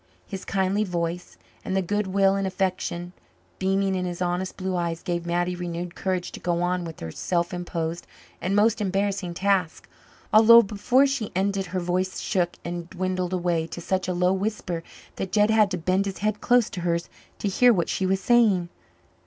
His kindly voice and the good will and affection beaming in his honest blue eyes gave Mattie renewed courage to go on with her self imposed and most embarrassing task, although before she ended her voice shook and dwindled away to such a low whisper that Jed had to bend his head close to hers to hear what she was saying.